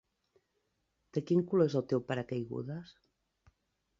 De quin color és el teu paracaigudes?